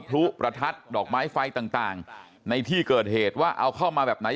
พลุประทัดดอกไม้ไฟต่างในที่เกิดเหตุว่าเอาเข้ามาแบบไหน